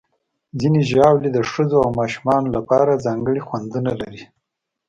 ځینې ژاولې د ښځو او ماشومانو لپاره ځانګړي خوندونه لري.